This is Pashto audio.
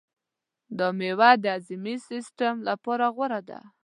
دا مېوه د هاضمې د سیستم لپاره غوره ده.